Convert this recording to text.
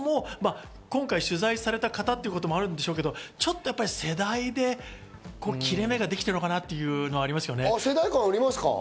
どうも今回取材された方ということもあるでしょうけど、ちょっと世代で、切れ目ができてるのかなというのはありますけどね。